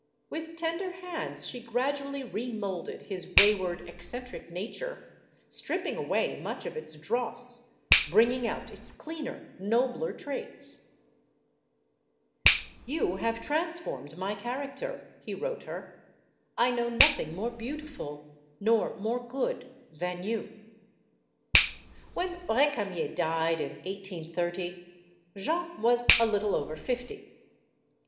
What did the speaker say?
With tender hands she gradually remolded his way 248 STORIES OF THE SUPER WOMEN ward, eccentric nature, stripping away much of its dross, bringing out its cleaner, nobler traits. "You have transformed my character," he wrote her. "I know nothing more beautiful nor more good than you." When Recamier died, in 1830, Jeanne was a little over fifty.